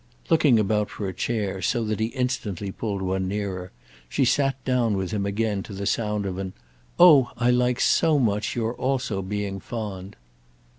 Looking about for a chair, so that he instantly pulled one nearer, she sat down with him again to the sound of an "Oh, I like so much your also being fond—!"